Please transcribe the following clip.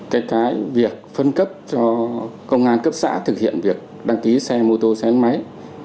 cái việc phân cấp cho công an cấp xã thực hiện việc đăng ký xe mô tô xe gắn máy